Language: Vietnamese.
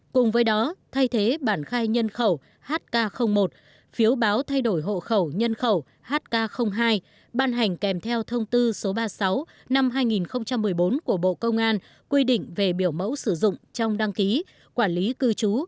cùng với đó thay thế bản khai nhân khẩu hk một phiếu báo thay đổi hộ khẩu nhân khẩu hk hai ban hành kèm theo thông tư số ba mươi sáu năm hai nghìn một mươi bốn của bộ công an quy định về biểu mẫu sử dụng trong đăng ký quản lý cư trú